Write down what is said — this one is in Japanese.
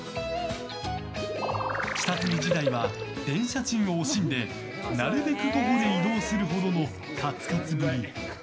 下積み時代は電車賃を惜しんでなるべく徒歩で移動するほどのカツカツぶり。